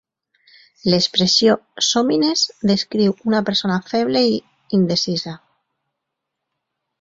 L'expressió "sòmines" descriu una persona feble i indecisa.